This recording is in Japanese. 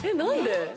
何で？